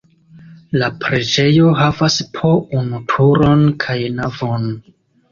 La preĝejo havas po unu turon kaj navon.